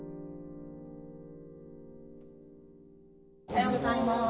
おはようございます。